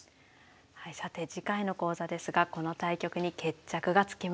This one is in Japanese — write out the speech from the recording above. はいさて次回の講座ですがこの対局に決着がつきます。